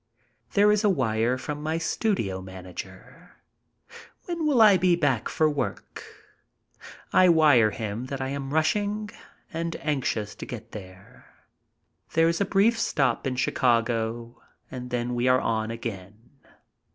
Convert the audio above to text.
There is a wire from my studio manager. "When will I be back for work?" I wire him that I am rushing and anxious to get there. There is a brief stop in Chicago and then we are on again.